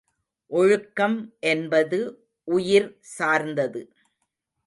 ஒழுக்கம் என்பது உயிர் சார்ந்தது.